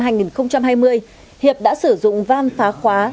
hiệp đã sử dụng van phá khóa